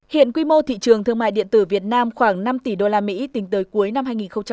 hiện quy mô thị trường thương mại điện tử việt nam khoảng năm tỷ usd tính tới cuối năm hai nghìn một mươi chín